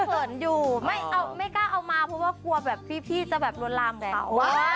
ต้องเขินอยู่ไม่กล้าเอามาเพราะว่ากลัวพี่จะแบบโรนลามแดง